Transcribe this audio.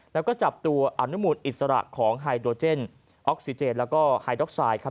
แล้วก็จับตัวอนุมูลอิสระของไฮโดเจนออกซิเจนแล้วก็ไฮด็อกไซด์ครับ